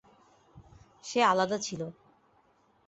সে আলাদা ছিল।